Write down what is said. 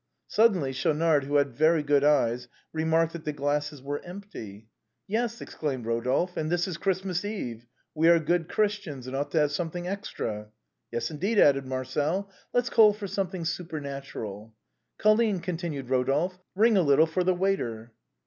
Suddenly Schaunard, who had very good eyes, remarked that the glasses were empty. " Yes," exclaimed Rodolphe, " and this is Christmas eve ! We are good Christians, and ought to have something extra." " Yes, indeed," added Marcel, " let's call for something supernatural." " Colline," continued Rodolphe, " ring a little for the waiter."